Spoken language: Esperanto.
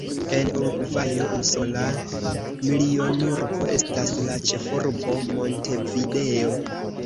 En Urugvajo unusola milionurbo estas la ĉefurbo Montevideo.